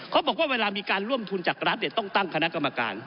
เขาบอกว่าเวลามีการร่วมทุนจากรัฐต้องตั้งคณะกรรมการ